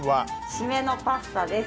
締めのパスタです。